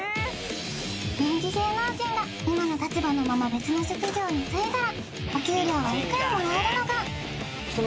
人気芸能人が今の立場のまま別の職業に就いたらお給料はいくらもらえるのか？